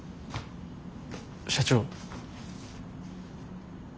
社長。